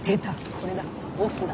これだ。